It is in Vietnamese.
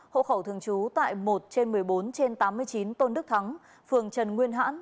hộ khẩu thường trú tại một trên một mươi bốn trên tám mươi chín tôn đức thắng phường trần nguyên hãn